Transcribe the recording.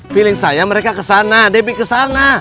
feeling saya mereka kesana debbie kesana